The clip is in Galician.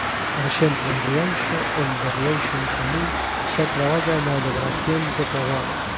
Por exemplo, en Rianxo, onde 'Rianxo en Común' xa traballa na elaboración do programa.